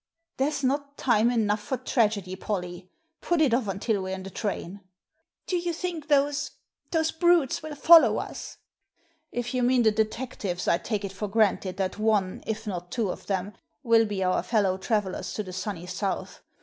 *' There's not time enough for tragedy, Polly. Put it off until we're in the train." "Do you think those — those brutes will follow us?" " If you mean the detectives, I take it for granted that one, if not two of them, will be our fellow travellers to the sunny South.